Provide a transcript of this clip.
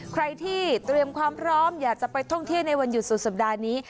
ใครที่เตรียมความพร้อมอยากจะไปท่องเที่ยวในวันหยุดสุดสัปดาห์นี้